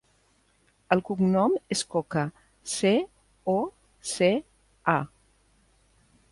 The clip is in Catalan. El cognom és Coca: ce, o, ce, a.